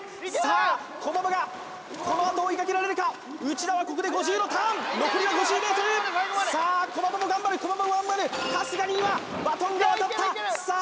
駒場がこのあと追いかけられるか内田はここで５０のターン残りは５０ｍさあ駒場も頑張る駒場も頑張る春日に今バトンが渡ったさあ